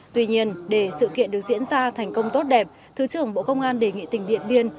tuy nhiên để sự kiện được diễn ra thành công tốt đẹp thứ trưởng bộ công an đề nghị tỉnh điện biên